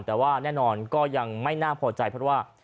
แต่ว่าแน่นอนก็ยังไม่น่าพอใจเพราะว่า